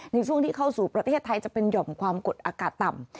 ในช่วงที่เข้าสู่ประเทศไทยจะเป็นหย่อมความกดอากาศต่ำ